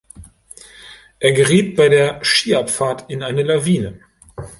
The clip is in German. Er geriet bei der Ski-Abfahrt in eine Lawine.